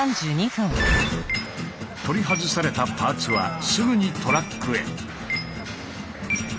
取り外されたパーツはすぐにトラックへ。